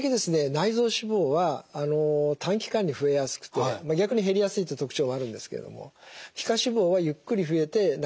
内臓脂肪は短期間に増えやすくて逆に減りやすいっていう特徴もあるんですけれども皮下脂肪はゆっくり増えてなかなか減りにくい。